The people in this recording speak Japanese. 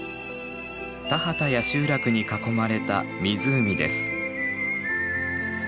田畑や集落に囲まれた湖です。